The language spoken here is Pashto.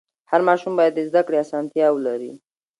هر ماشوم باید د زده کړې اسانتیا ولري.